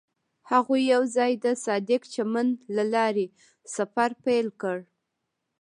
هغوی یوځای د صادق چمن له لارې سفر پیل کړ.